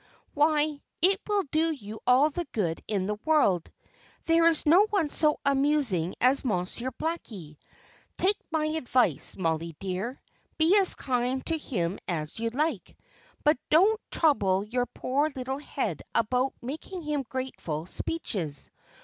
Why, it will do you all the good in the world! There is no one so amusing as Monsieur Blackie. Take my advice, Mollie dear. Be as kind to him as you like, but don't trouble your poor little head about making him grateful speeches.